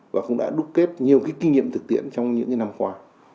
và cũng đã đúc kết nhiều cái kinh nghiệm thực tiễn trong những năm qua